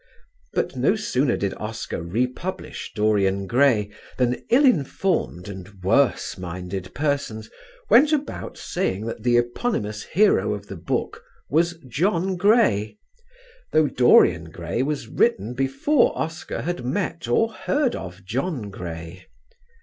But no sooner did Oscar republish "Dorian Gray" than ill informed and worse minded persons went about saying that the eponymous hero of the book was John Gray, though "Dorian Gray" was written before Oscar had met or heard of John Gray.